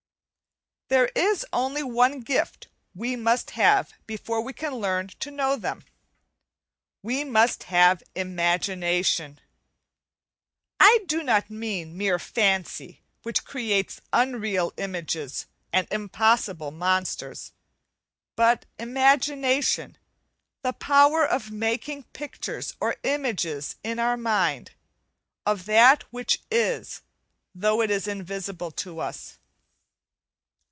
There is only one gift we must have before we can learn to know them we must have imagination. I do not mean mere fancy, which creates unreal images and impossible monsters, but imagination, the power of making pictures or images in our mind, of that which is, though it is invisible to us.